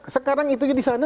sekarang itu di sana